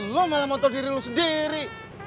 lo malah motor diri lo sendiri